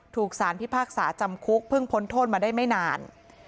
ถูกสารพิพากษาจำคุกเพิ่งพ้นโทษมาได้ไม่นาน